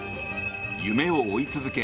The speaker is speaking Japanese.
夢を追い続け